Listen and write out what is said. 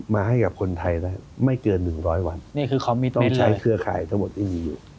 มาให้กับคนไทยไม่เกิน๑๐๐วันต้องใช้เครือข่ายทั้งหมดที่มีอยู่